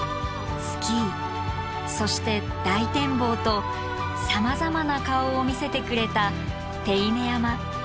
スキーそして大展望とさまざまな顔を見せてくれた手稲山。